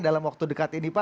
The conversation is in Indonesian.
dalam waktu dekat ini pak